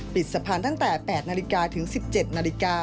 ปิดสะพานทั้งแต่๘นถึง๑๗น